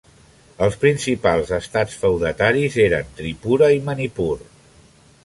Els principals estats feudataris eren Tripura i Manipur.